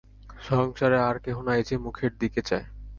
সংসারে আর কেহ নাই যে, মুখের দিকে চায়।